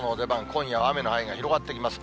今夜は雨の範囲が広がってきます。